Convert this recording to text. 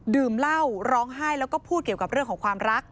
ดื่มเหล้าร้องไห้แล้วก็พูดเกี่ยวกับเรื่องของความรัก